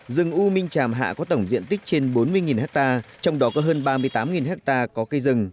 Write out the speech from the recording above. rừng u minh tràm hạ có tổng diện tích trên bốn mươi hectare trong đó có hơn ba mươi tám ha có cây rừng